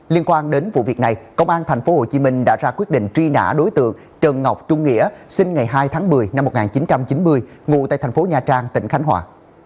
liên quan đến vụ việc này công an tp hcm đã ra quyết định truy nã đối tượng trần ngọc trung nghĩa sinh ngày hai tháng một mươi năm một nghìn chín trăm chín mươi ngụ tại thành phố nha trang tỉnh khánh hòa